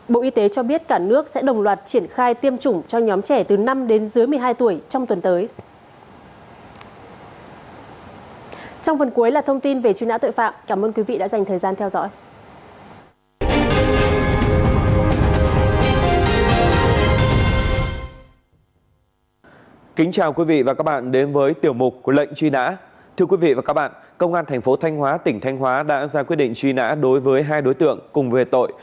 bộ y tế cho biết cả nước sẽ đồng loạt triển khai tiêm chủng cho nhóm trẻ từ năm đến dưới một mươi hai tuổi trong tuần tới